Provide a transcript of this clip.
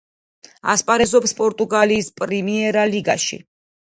ასპარეზობს პორტუგალიის პრიმეირა ლიგაში.